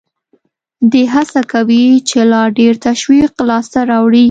دی هڅه کوي چې لا ډېر تشویق لاس ته راوړي